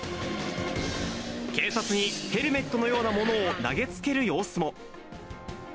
警察にヘルメットのようなものを投げつける様子も。